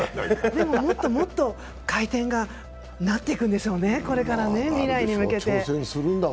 でも、もっともっと回転がこれからなっていくんでしょうね、未来に向けて。